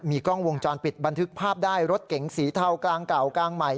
กล้องวงจรปิดบันทึกภาพได้รถเก๋งสีเทากลางเก่ากลางใหม่